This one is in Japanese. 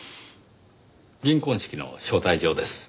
銀婚式の招待状です。